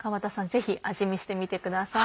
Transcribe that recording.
ぜひ味見してみてください。